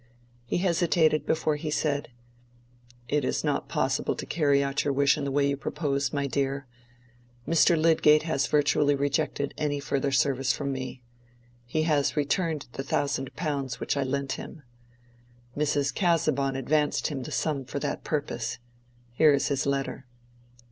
He hesitated before he said— "It is not possible to carry out your wish in the way you propose, my dear. Mr. Lydgate has virtually rejected any further service from me. He has returned the thousand pounds which I lent him. Mrs. Casaubon advanced him the sum for that purpose. Here is his letter."